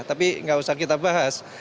tapi nggak usah kita bahas